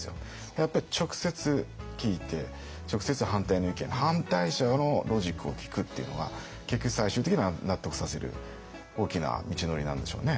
やっぱり直接聞いて直接反対の意見反対者のロジックを聞くっていうのは結局最終的に納得させる大きな道のりなんでしょうね。